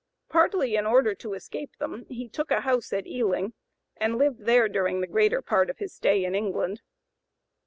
(p. 100) Partly in order to escape them he took a house at Ealing, and lived there during the greater part of his stay in England.